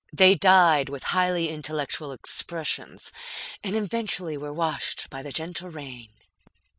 They died with highly intellectual expressions, and eventually were washed by the gentle rain.